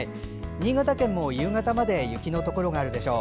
新潟県も夕方まで雪のところがあるでしょう。